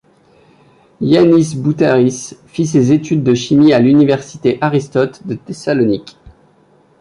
Yiánnis Boutáris fit ses études de chimie à Université Aristote de Thessalonique.